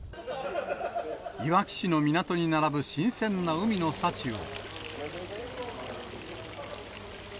いわき市の港に並ぶ新鮮な海の幸を。